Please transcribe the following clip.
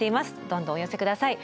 どんどんお寄せ下さい。